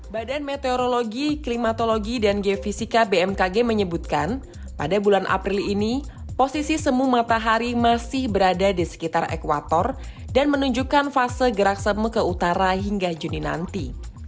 badan meteorologi klimatologi dan geofisika bmkg menyebutkan pada bulan april ini posisi semu matahari masih berada di sekitar ekwator dan menunjukkan fase gerakseme ke utara hingga juni nanti